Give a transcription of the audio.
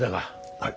はい。